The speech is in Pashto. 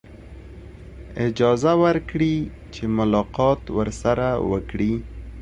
اجازه ورکړي چې ملاقات ورسره وکړي.